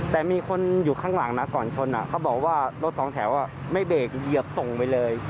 แต่มีคนอยู่ข้างหลังนะก่อนชนเขาบอกว่ารถสองแถวไม่เบรกเหยียบส่งไปเลย